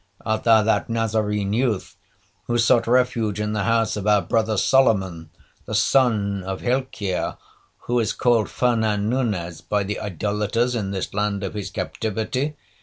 Art thou that Nazarene youth who sought refuge in the house of our brother Solomon, the son of Hilkiah, who is called Fernan Nunez by the idolaters in this land of his captivity?